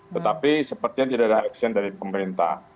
tetapi sepertinya tidak ada action dari pemerintah